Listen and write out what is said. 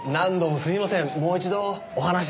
すいません。